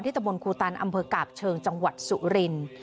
ที่ตะบลคูตันอำเภอกาบเชิงจังหวัดสุริน